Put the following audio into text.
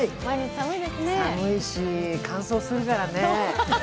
寒いし、乾燥するからね。